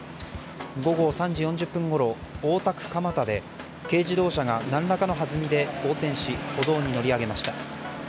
午後３時４０分ごろ大田区蒲田で軽自動車が何らかのはずみで横転し、歩道に乗り上げました。